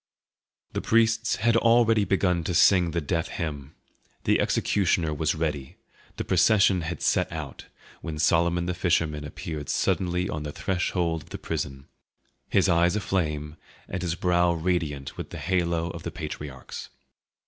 The priests had already begun to sing the death hymn; the executioner was ready, the procession had set out, when Solomon the fisherman appeared suddenly on the threshold of the prison, his eyes aflame and his brow radiant with the halo of the patriarchs.